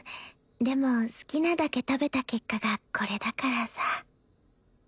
でも好きなだけ食べた結果がこれだからさ。